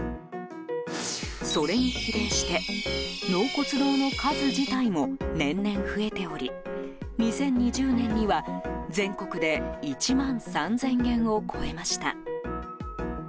それに比例して納骨堂の数自体も年々増えており２０２０年には全国で１万３０００軒を超えました。